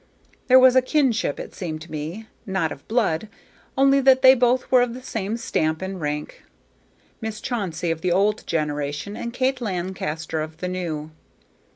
There was a kinship, it seemed to me, not of blood, only that they both were of the same stamp and rank: Miss Chauncey of the old generation and Kate Lancaster of the new.